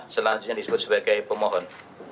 selanjutnya disebut sebagai pemohon